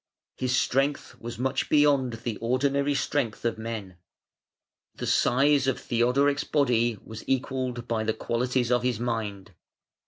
His strength was much beyond the ordinary strength of men. The size of Theodoric's body was equalled by the qualities of his mind.